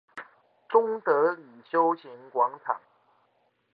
中德里休閒廣場